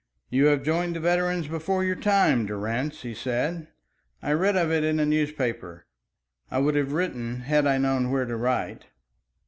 "You have joined the veterans before your time, Durrance," he said. "I read of it in a newspaper. I would have written had I known where to write."